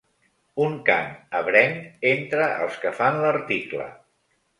Un cant ebrenc entre els que fan l'article.